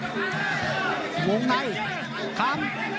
หวงในคัม